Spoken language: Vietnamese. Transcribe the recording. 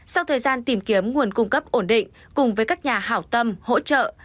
sau thời gian tìm kiếm nguồn cung cấp ổn định cùng với các nhà hảo tâm hỗ trợ